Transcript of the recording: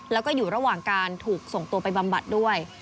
แล้วก็อยู่ระหว่างการถูกส่งตัวไปบำบัดด้วย